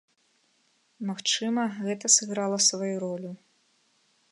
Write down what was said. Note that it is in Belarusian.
Магчыма, гэта сыграла сваю ролю.